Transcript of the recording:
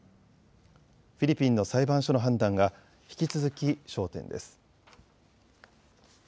フィリピンの裁判所の判断が引き続き焦点です。